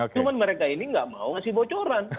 cuma mereka ini nggak mau ngasih bocoran